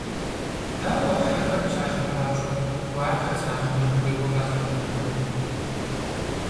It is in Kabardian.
Дауэ хьэхэм, псалъэм папщӀэ, гуартэр зэрахъумэн хуейр къазэрыгурыӀуэр?